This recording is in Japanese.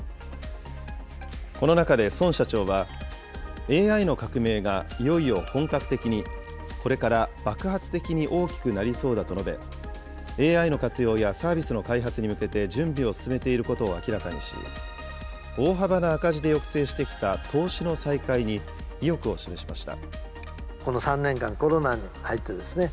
この中で孫社長は、ＡＩの革命がいよいよ本格的に、これから爆発的に大きくなりそうだと述べ、ＡＩの活用やサービスの開発に向けて準備を進めていることを明らかにし、大幅な赤字で抑制してきた投資の再開に意欲を示しました。